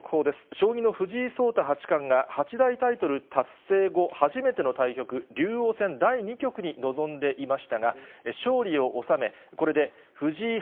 将棋の藤井聡太八冠が、八大タイトル達成後、初めての対局、竜王戦第２局に臨んでいましたが、勝利を収め、以上、きょうコレをお伝えしました。